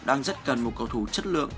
đang rất cần một cầu thủ chất lượng